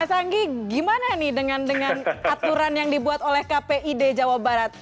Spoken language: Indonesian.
mas anggi gimana nih dengan aturan yang dibuat oleh kpid jawa barat